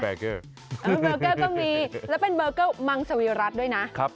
เบอร์เกอร์ก็มีแล้วเป็นเบอร์เกอร์มังสวีรัติด้วยนะ